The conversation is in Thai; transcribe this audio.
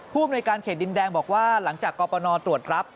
ภูมิในการเขตดินแดงบอกว่าหลังจากกรปนตรวจรับ